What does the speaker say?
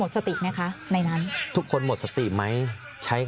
สามารถรู้ได้เลยเหรอคะ